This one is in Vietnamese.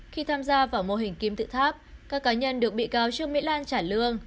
khi tham gia vào mô hình kim tự tháp các cá nhân được bị cáo trương mỹ lan trả lương